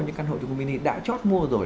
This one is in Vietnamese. những căn hộ trung cư mini đã chót mua rồi